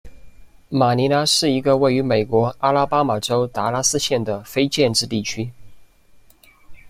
马尼拉是一个位于美国阿拉巴马州达拉斯县的非建制地区。